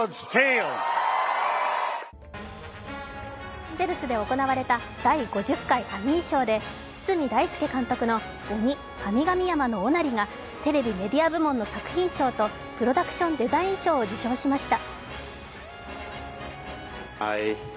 ロサンゼルスで行われた第５０回アニー賞で堤大介監督の「ＯＮＩ神々山のおなり」がテレビ・メディア部門の作品賞とプロダクションデザイン賞を受賞しました。